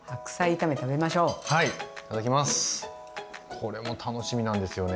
これも楽しみなんですよね。